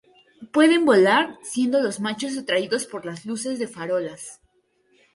Pueden volar, siendo los machos atraídos por las luces de farolas.